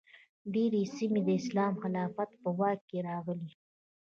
ډیرې سیمې د اسلامي خلافت په واک کې راغلې.